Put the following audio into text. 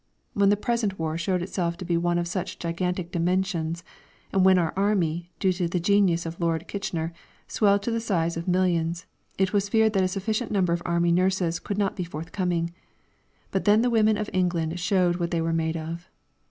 When the present war showed itself to be one of such gigantic dimensions, and when our Army, due to the genius of Lord Kitchener, swelled to the size of millions, it was feared that a sufficient number of Army nurses could not be forthcoming; but then the women of England showed what they were made of.